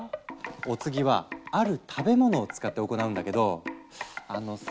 お次は「ある食べ物」を使って行うんだけどあのさ